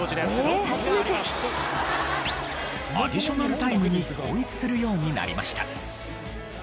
アディショナルタイムに統一するようになりました。